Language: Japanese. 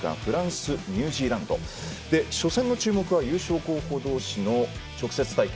初戦の注目は優勝候補同士の直接対決